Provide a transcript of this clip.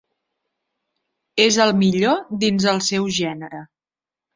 És el millor dins el seu gènere.